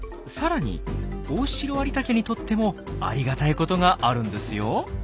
さらにオオシロアリタケにとってもありがたいことがあるんですよ。